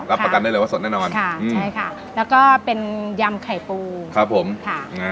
รับประกันได้เลยว่าสดแน่นอนค่ะใช่ค่ะแล้วก็เป็นยำไข่ปูครับผมค่ะนะ